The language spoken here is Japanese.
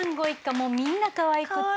もうみんなかわいくて。